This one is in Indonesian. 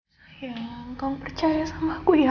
sayang kau percaya sama aku ya